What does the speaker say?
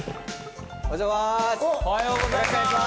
おはようございます。